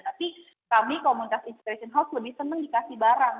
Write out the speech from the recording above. tapi kami komunitas inspiration house lebih senang dikasih barang